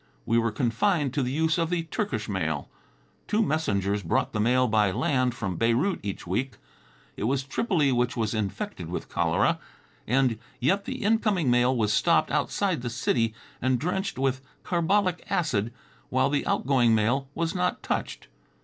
We were confined to the use of the Turkish mail. Two messengers brought the mail by land from Beirut each week. It was Tripoli which was infected with cholera, and yet the incoming mail was stopped outside the city and drenched with carbolic acid, while the outgoing mail was not touched.